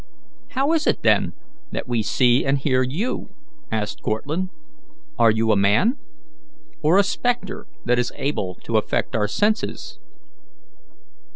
"How is it, then, that we see and hear you?" asked Cortlandt. "Are you a man, or a spectre that is able to affect our senses?"